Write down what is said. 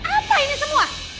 apa ini semua